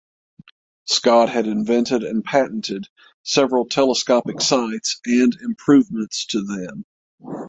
Scott had invented and patented several telescopic sights and improvements to them.